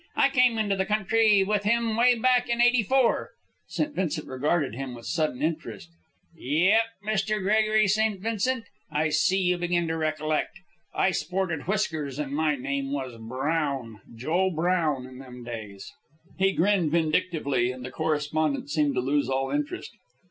I come into the country with him way back in '84." St. Vincent regarded him with sudden interest. "Yep, Mr. Gregory St. Vincent. I see you begin to recollect. I sported whiskers and my name was Brown, Joe Brown, in them days." He grinned vindictively, and the correspondent seemed to lose all interest.